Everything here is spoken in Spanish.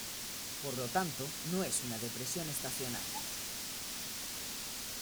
Por lo tanto, no es una depresión estacionaria.